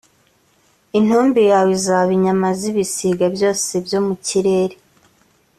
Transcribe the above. intumbi yawe izaba inyama z’ibisiga byose byo mu kirere,